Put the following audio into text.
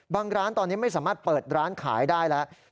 ร้านตอนนี้ไม่สามารถเปิดร้านขายได้แล้ว